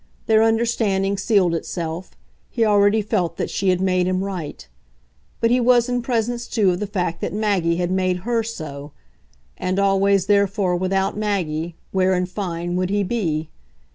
Their understanding sealed itself he already felt that she had made him right. But he was in presence too of the fact that Maggie had made HER so; and always, therefore, without Maggie, where, in fine, would he be?